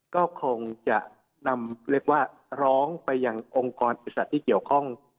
ก็คงจะนำเรียกว่าร้องไปยังองค์กรอิสัตวที่เกี่ยวข้อง